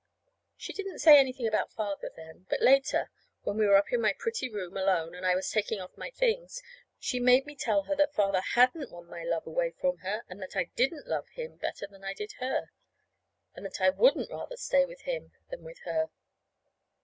She didn't say anything about Father then; but later, when we were up in my pretty room alone, and I was taking off my things, she made me tell her that Father hadn't won my love away from her, and that I didn't love him better than I did her; and that I wouldn't rather stay with him than with her.